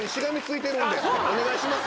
お願いします